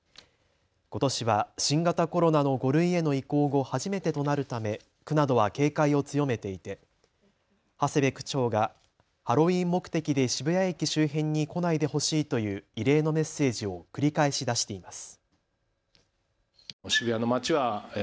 ことしは新型コロナの５類への移行後初めてとなるため区などは警戒を強めていて長谷部区長がハロウィーン目的で渋谷駅周辺に来ないでほしいという異例のメッセージを繰り返し出しています。